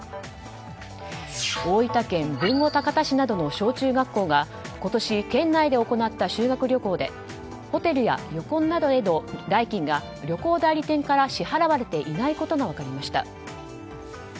大分県の小中学校が今年県内で行った修学旅行でホテルや旅行などの代金が旅行代理店から支払われていないことが分かりました。